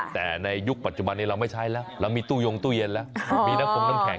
แต่ในยุคปัจจุบันนี้เราไม่ใช้แล้วเรามีตู้ยงตู้เย็นแล้วมีน้ำคงน้ำแข